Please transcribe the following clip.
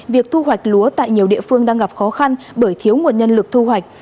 việc thu hoạch lúa tại nhiều địa phương đang gặp khó khăn bởi thiếu nguồn nhân lực thu hoạch